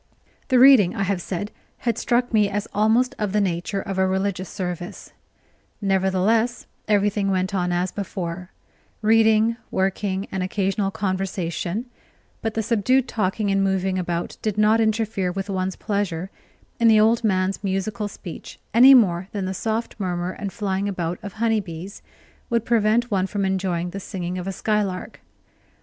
The reading, I have said, had struck me as almost of the nature of a religious service; nevertheless, everything went on as before reading, working, and occasional conversation; but the subdued talking and moving about did not interfere with one's pleasure in the old man's musical speech any more than the soft murmur and flying about of honey bees would prevent one from enjoying the singing of a skylark.